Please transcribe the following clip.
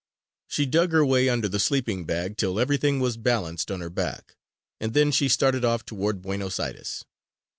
She dug her way under the sleeping bag till everything was balanced on her back; and then she started off toward Buenos Aires.